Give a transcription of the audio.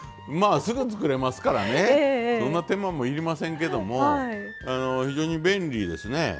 まあすぐ作れますからねそんな手間も要りませんけども非常に便利ですね。